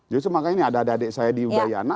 justru makanya ini ada adik adik saya di udayana